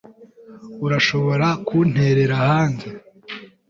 Urashobora kunterera hanze?